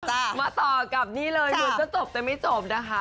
ก็ต้องเรื่องกลับแบบนี้เลยหรือยังจบแต่ไม่จบนะคะ